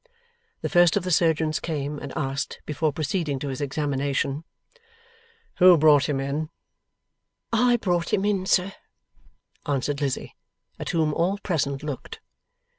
The first of the surgeons came, and asked, before proceeding to his examination, 'Who brought him in?' 'I brought him in, sir,' answered Lizzie, at whom all present looked.